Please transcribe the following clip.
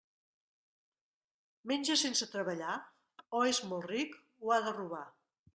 Menja sense treballar? O és molt ric, o ha de robar.